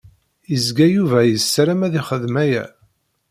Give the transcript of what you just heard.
Izga Yuba isarram ad ixdem aya.